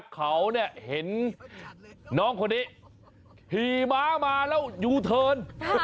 เขาเห็นน้องคนนี้ขี่ม้ามาแล้วยูเทิร์น